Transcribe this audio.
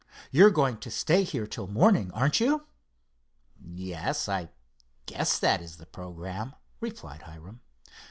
You're going to stay here till morning, aren't you?" "Yes, I guess that is the programme," replied Hiram.